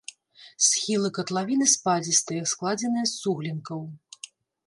Схілы катлавіны спадзістыя, складзеныя з суглінкаў.